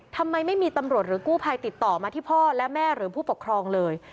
ทำไมไม่มีตำรวจหรือกู้ภัยติดต่อมาที่พ่อและแม่หรือผู้ปกครองเลย